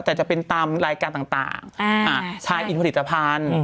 แต่จะเป็นตามรายการต่างชายอินผลิตภัณฑ์